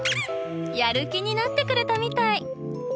やる気になってくれたみたい。